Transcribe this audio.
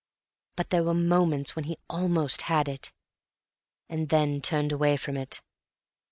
But there were moments when he almost had it.... and then turned away from it.